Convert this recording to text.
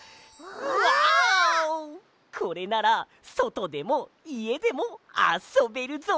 これならそとでもいえでもあそべるぞ！